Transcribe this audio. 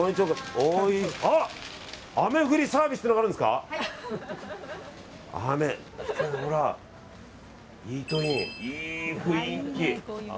あ、雨降りサービスっていうのがあるんですか。